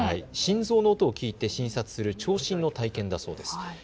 心臓の音を聞いて診察する聴診の体験だそうです。